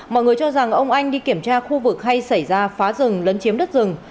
mọi người cho rằng ông anh đi kiểm tra khu vực hay xảy ra phá rừng lấn chiếm đất rừng